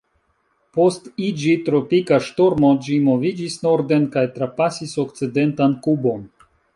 Post iĝi tropika ŝtormo, ĝi moviĝis norden kaj trapasis okcidentan Kubon.